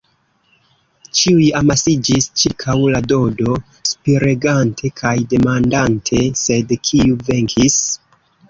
Ĉiuj amasiĝis ĉirkaŭ la Dodo, spiregante kaj demandante: “Sed kiu venkis?”